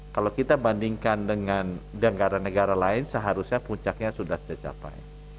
kalau kita bandingkan dengan negara negara lain seharusnya puncaknya sudah tercapai